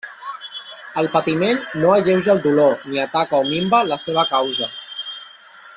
El patiment no alleuja el dolor ni ataca o minva la seva causa.